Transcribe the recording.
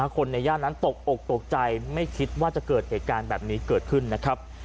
คนในย่านนั้นตกอกตกใจไม่คิดว่าจะเกิดเหตุการณ์แบบนี้เกิดขึ้นนะครับ